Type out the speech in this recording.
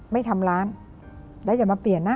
ไม่ทำร้านแล้วอย่ามาเปลี่ยนนะ